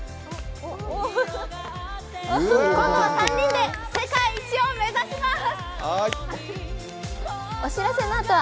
今度は３人で世界一を目指します。